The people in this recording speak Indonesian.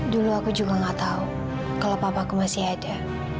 dulu aku juga nggak tahu kalau papa aku masih ada